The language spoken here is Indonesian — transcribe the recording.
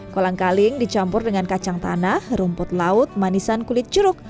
kolang kaling dicampur dengan kacang tanah rumput laut manisan kulit jeruk